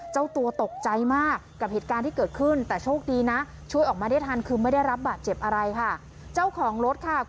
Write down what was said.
เจ้าตัวตกใจมากกับเหตุการณ์ที่เกิดขึ้นแต่โชคดีนะ